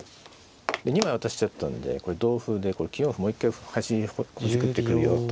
で２枚渡しちゃったんでこれ同歩で９四歩もう一回端ほじくってくるよと。